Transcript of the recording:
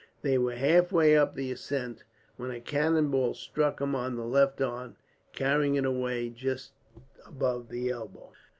They were halfway up the ascent when a cannon ball struck him on the left arm, carrying it away just above the elbow.